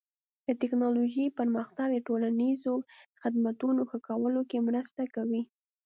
د ټکنالوژۍ پرمختګ د ټولنیزو خدمتونو ښه کولو کې مرسته کوي.